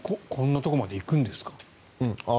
こんなところまで行くんですか？